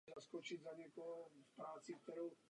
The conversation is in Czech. A nyní několik slov o dopadech globalizace.